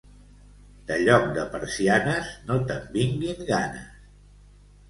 De lloc de persianes, no te'n vinguin ganes.